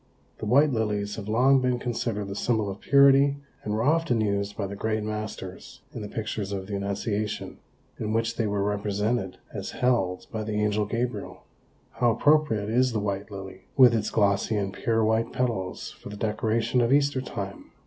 The white lilies have long been considered the symbol of purity and were often used by the great masters in the pictures of the Annunciation, in which they were represented as held by the Angel Gabriel. How appropriate is the white lily, with its glossy and pure white petals for the decoration of Easter time!